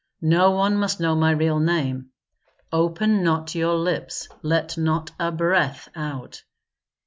No one must know my real name. Open not your lips; let not a breath out.